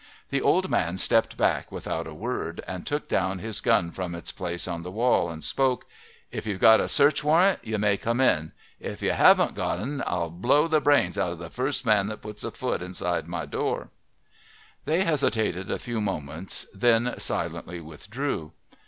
The old man stepped back without a word and took down his gun from its place on the wall, then spoke: "It you've got a search warrant you may come in; if you haven't got 'n I'll blow the brains out of the first man that puts a foot inside my door." They hesitated a few moments then silently withdrew.